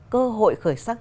cơ hội khởi sắc